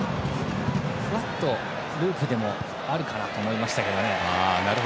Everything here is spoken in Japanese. ループでもあるかなと思いましたけどね。